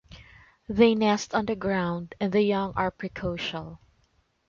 They nest on the ground and the young are precocial.